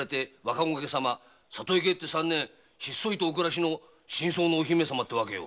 里に帰って三年ひっそりとお暮らしの深窓のお姫様よ。